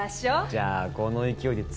じゃあこの勢いで次。